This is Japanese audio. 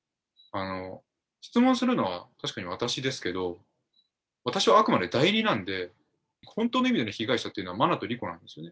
質問するのは確かに私ですけど、私はあくまで代理なんで、本当の意味での被害者っていうのは、真菜と莉子なんですよね。